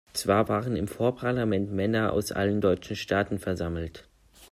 Zwar waren im Vorparlament Männer aus allen deutschen Staaten versammelt.